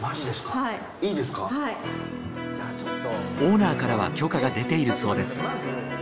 オーナーからは許可が出ているそうです。